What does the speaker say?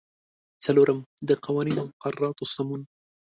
څلورم: د قوانینو او مقرراتو سمون.